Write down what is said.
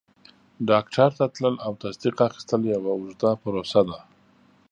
ډاکټر ته تلل او تصدیق اخیستل یوه اوږده پروسه وه.